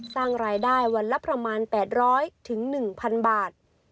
สร้างรายได้วันละประมาณ๘๐๐๑๐๐๐บาท